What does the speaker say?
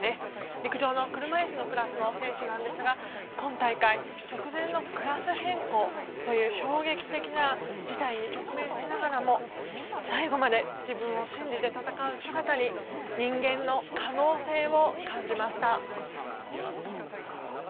陸上の車いすのクラスの選手なんですが今大会、直前のクラス変更という衝撃的な事態に直面しながらも最後まで自分を信じて戦う姿に人間の可能性を感じました。